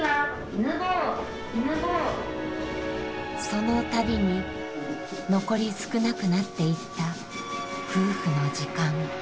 その度に残り少なくなっていった夫婦の時間。